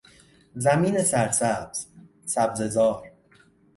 زمین سر سبز، سبزه زار